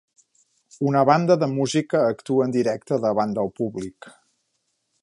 Una banda de música actua en directe davant del públic.